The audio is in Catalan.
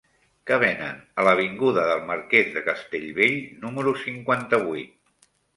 Què venen a l'avinguda del Marquès de Castellbell número cinquanta-vuit?